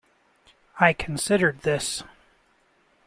I considered this.